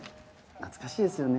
懐かしいですよね。